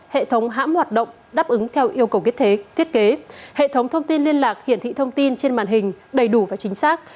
hệ thống hãm hoạt động đáp ứng theo yêu cầu biết thế thiết kế hệ thống thông tin liên lạc hiển thị thông tin trên màn hình đầy đủ và chính xác